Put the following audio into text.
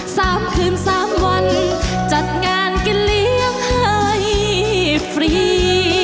สามคืนสามวันจัดงานกินเลี้ยงให้ฟรี